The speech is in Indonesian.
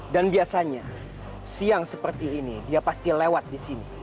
dan biasanya siang seperti ini dia pasti lewat di sini